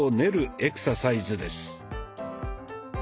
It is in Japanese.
エクササイズです。